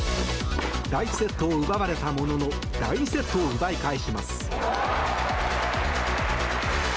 第１セットを奪われたものの第２セットを奪い返します。